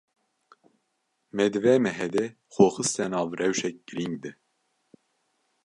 Me di vê mehê de xwe xiste nav rewşek girîng de.